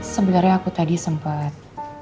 sebenarnya aku tadi sempat